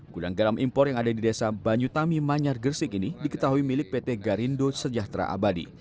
gudang garam impor yang ada di desa banyutami manyar gresik ini diketahui milik pt garindo sejahtera abadi